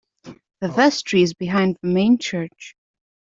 The vestry is behind the main church.